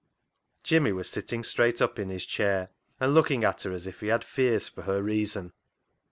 Jimmy was sitting straight up in his chair, and looking at her as if he had fears for her reason.